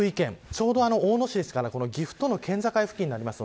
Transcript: ちょうど大野市ですから岐阜との県境付近になります。